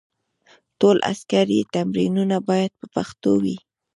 ټول عسکري تمرینونه باید په پښتو وي.